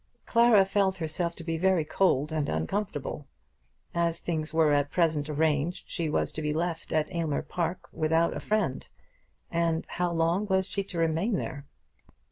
Clara felt herself to be very cold and uncomfortable. As things were at present arranged she was to be left at Aylmer Park without a friend. And how long was she to remain there?